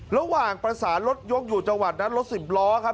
ระหว่างประสานรถยกอยู่จังหวัดนั้นรถสิบล้อครับ